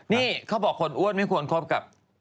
นี่เขาบอกคนอ้วนไม่ควรคบกับ